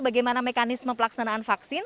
bagaimana mekanisme pelaksanaan vaksin